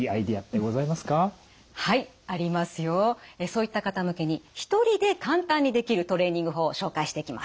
そういった方向けに一人で簡単にできるトレーニング法を紹介していきます。